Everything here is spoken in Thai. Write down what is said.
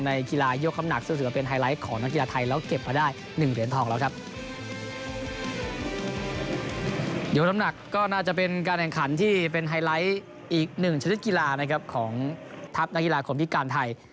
ในกีฬาของทัพนักกีฬาของพิการไทย